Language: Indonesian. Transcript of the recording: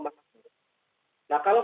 dan itu disentangan dengan